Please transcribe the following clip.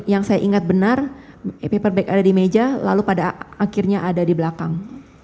yang saya ingat benar paper bag ada di meja lalu pada akhirnya ada di belakang